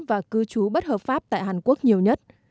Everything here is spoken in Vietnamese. và cư trú bất hợp pháp tại hàn quốc nhiều nhất